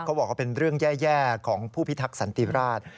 บอกว่าเป็นเรื่องแย่ของผู้พิทักษันติราช